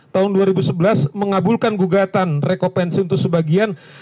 tahun dua ribu sebelas mengabulkan gugatan rekopensi untuk sebagian